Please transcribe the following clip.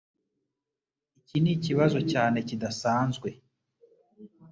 Iki nikibazo cyane kidasanzwe